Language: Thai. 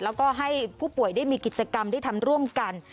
แล้วก็ให้ผู้ป่วยได้มีกิจกรรมได้ทำร่วมกัน